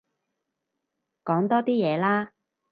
講多啲嘢啦